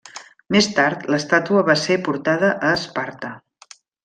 Més tard, l'estàtua va ser portada a Esparta.